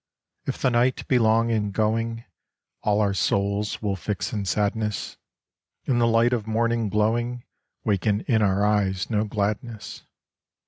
If the night be long in going, All our souls will fix in sadness ; And the light of morning glowing Waken in our eyes no gladness.